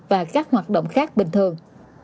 và các hoạt động khác bình thường